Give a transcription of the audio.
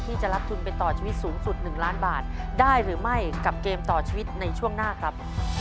ที่จะรับทุนไปต่อชีวิตสูงสุด๑ล้านบาทได้หรือไม่กับเกมต่อชีวิตในช่วงหน้าครับ